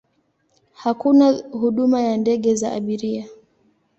Hakuna huduma ya ndege za abiria.